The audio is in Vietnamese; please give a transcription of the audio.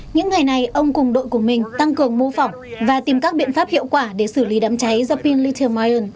những ngày này ông cùng đội của mình tăng cường mô phỏng và tìm các biện pháp hiệu quả để xử lý đàm cháy do pin lithium ion